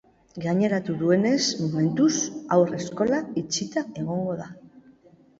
Gaineratu duenez, momentuz, haur eskola itxita egongo da.